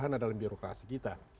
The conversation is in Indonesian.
sederhana dalam birokrasi kita